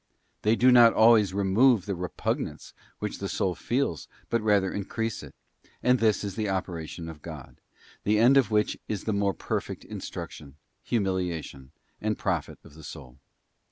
They do not always remove the repugnance which the soul feels, but rather increase it; and this is the operation of God, the end of which is the more perfect instruction, humiliation, and profit of the soul.